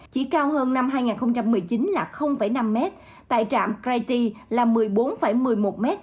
chỉ cao hơn năm hai nghìn một mươi chín là năm m tại trạm crity là một mươi bốn một mươi một m